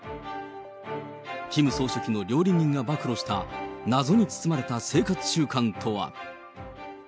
キム総書記の料理人が暴露した謎に包まれた生活習慣とは。